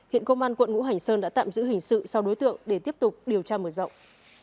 hiện công an quận ngũ hành sơn đã tạm giữ hình sự sau đối tượng để tiếp tục điều tra mở rộng